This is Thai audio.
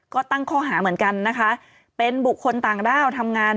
ก็ตั้งข้อหาเหมือนกันนะคะเป็นบุคคลต่างด้าวทำงาน